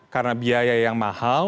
karena biaya yang mahal